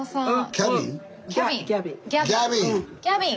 ギャビン。